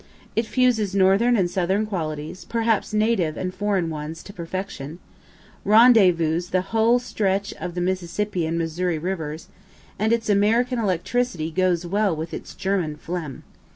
It fuses northern and southern qualities, perhaps native and foreign ones, to perfection, rendezvous the whole stretch of the Mississippi and Missouri rivers, and its American electricity goes well with its German phlegm.